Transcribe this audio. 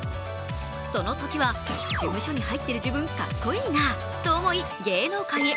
そのときは事務所に入ってる自分、かっこいいなと思い、芸能界へ。